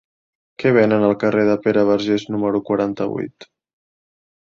Què venen al carrer de Pere Vergés número quaranta-vuit?